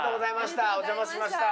お邪魔しました。